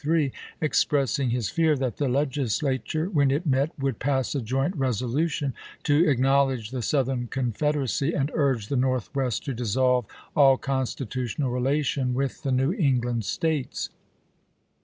1863, expressing his fear that the Legislature, when it met, would pass a joint resolution to acknowledge the Southern Confederacy, and urge the Northwest CONSPIKACIES IN THE NORTH to dissolve all constitutional relation with the New England States.